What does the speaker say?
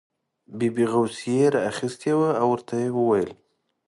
ببۍ غوسې را اخیستې وه او ورته یې وویل.